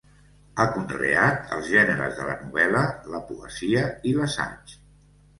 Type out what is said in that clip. Ha conreat els gèneres de la novel·la, la poesia i l'assaig.